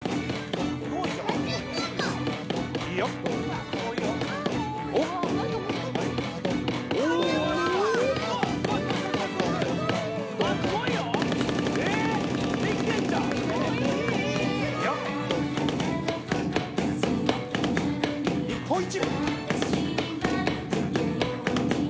ああもう・あっすごいよえっできてんじゃん日本一！